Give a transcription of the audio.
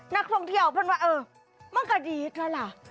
นักท่องเที่ยวเพื่อนว่าเออมันก็ดีดแล้วล่ะ